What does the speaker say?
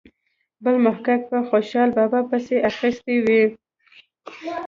بل محقق په خوشال بابا پسې اخیستې وي.